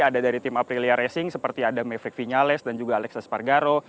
ada dari tim aprilia racing seperti ada maverick vinales dan juga alexas pargaro